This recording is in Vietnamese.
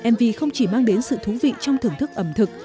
mv không chỉ mang đến sự thú vị trong thưởng thức ẩm thực